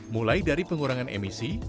mulai dari pengurangan emisi